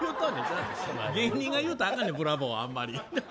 芸人が言うたらあかんねんブラボーはあんまり。